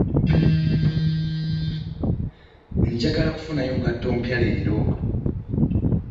Njagala kufunayo ngatto mpya leero.